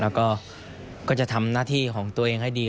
แล้วก็จะทำหน้าที่ของตัวเองให้ดี